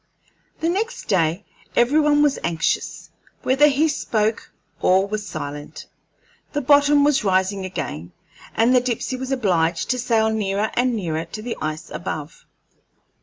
The next day every one was anxious, whether he spoke or was silent. The bottom was rising again, and the Dipsey was obliged to sail nearer and nearer to the ice above.